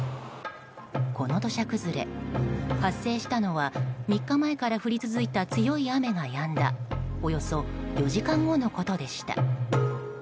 この土砂崩れ、発生したのは３日前から降り続いた強い雨がやんだおよそ４時間後のことでした。